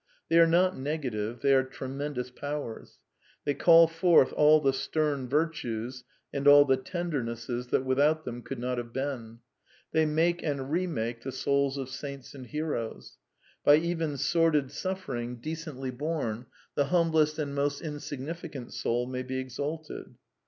They are not negative. They are tremendous powers. They call forth all the stem virtues and all the tendernesses that without them could not have been. They make and remake the souls of saints and heroes. By even sordid suffering, decently borne, the humblest and most insignificant soul may be exalted.